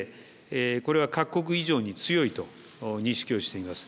これは各国以上に強いと認識をしております。